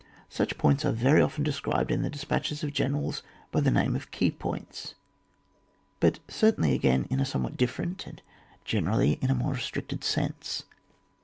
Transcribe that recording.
Such points are very often described in the despatches of generals by the name of key*points ; but certainly again in a somewhat different and generally in a more restricted sense.